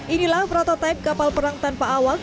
inilah prototipe kapal perang tanpa awak